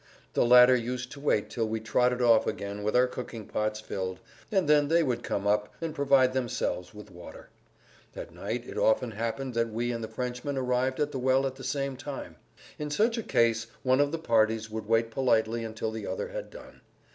The latter used to wait till we trotted off again with our cooking pots filled, and then they would come up and provide themselves with water. At night it often happened that we and the Frenchmen arrived at the well at the same time. In such a case one of the parties would wait politely until the other had done.